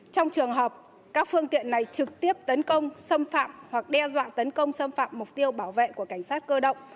trong trường hợp các phương tiện này trực tiếp tấn công xâm phạm hoặc đe dọa tấn công xâm phạm mục tiêu bảo vệ của cảnh sát cơ động